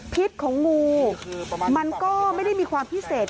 พิษของงูมันก็ไม่ได้มีความพิเศษ